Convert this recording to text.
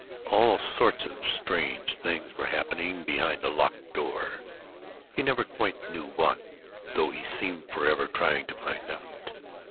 All sorts of strange things were happening behind a locked door, he never quite knew what, though he seemed forever trying to find out.